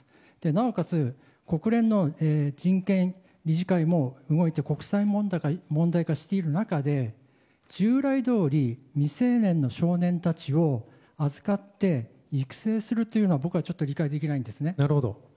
なおかつ、国連の人権理事会も動いていて国際問題化している中で従来どおり未成年の少年たちを預かって育成するというのは僕はちょっと理解できないんですね。